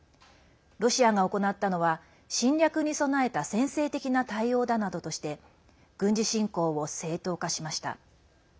ロシアが行ったのは侵略に備えた先制的な対応だなどとして軍事侵攻を正当化しました。